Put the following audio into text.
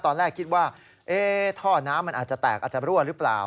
ตอนแรกคิดว่าท่อน้ำมันอาจจะแตกอาจจะรั่วหรือเปล่า